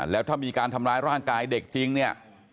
แล้วถ้ามีการทำร้ายร่างกายเด็กจริงเนี่ย